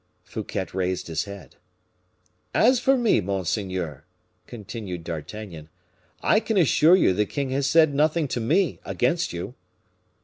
Fouquet raised his head. "As for me, monseigneur," continued D'Artagnan, "I can assure you the king has said nothing to me against you."